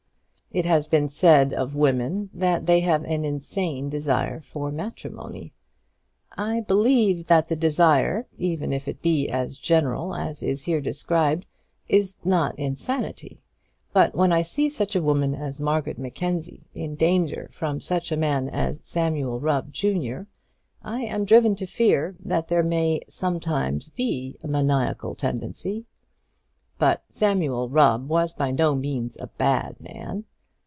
It has been said of women that they have an insane desire for matrimony. I believe that the desire, even if it be as general as is here described, is no insanity. But when I see such a woman as Margaret Mackenzie in danger from such a man as Samuel Rubb, junior, I am driven to fear that there may sometimes be a maniacal tendency. But Samuel Rubb was by no means a bad man.